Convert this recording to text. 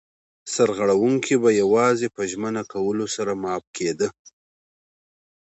سرغړونکی به یوازې په ژمنه کولو سره معاف کېده.